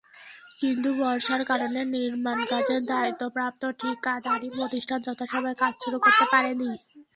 কিন্তু বর্ষার কারণে নির্মাণকাজের দায়িত্বপ্রাপ্ত ঠিকাদারি প্রতিষ্ঠান যথাসময়ে কাজ শুরু করতে পারেনি।